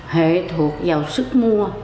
hệ thuộc vào sức mua